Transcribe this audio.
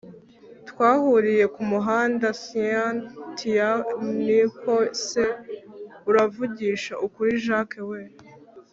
twahuriye kumuhanda! cyntia niko se! uravugisha ukuri jack we